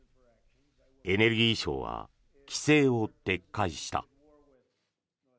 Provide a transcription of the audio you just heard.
エネルギー省は規制を撤回した。